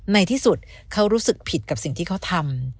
ในที่สุดเขารู้สึกผิดกับสิ่งที่เขาทำ